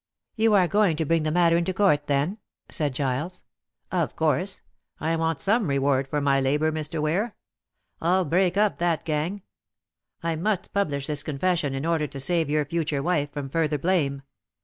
"You are going to bring the matter into court, then," said Giles. "Of course. I want some reward for my labor, Mr. Ware. I'll break up that gang. I must publish this confession in order to save your future wife from further blame.